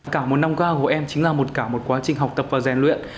cả một năm qua của em chính là một cả một quá trình học tập và rèn luyện